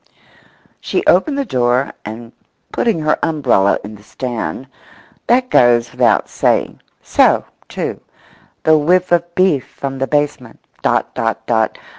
She opened the door, and, putting her umbrella in the stand—that goes without saying; so, too, the whiff of beef from the basement; dot, dot, dot.